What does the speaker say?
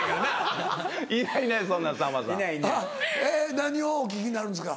何をお聴きになるんですか？